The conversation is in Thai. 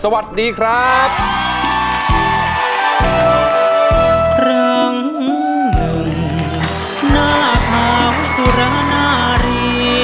โปรดติดตามต่อไป